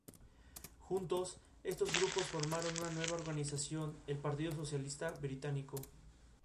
Lo disputan Junior y Unión Magdalena.